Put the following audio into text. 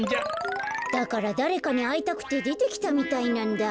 だからだれかにあいたくてでてきたみたいなんだ。